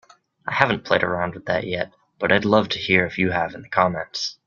I haven't played around with that yet, but I'd love to hear if you have in the comments.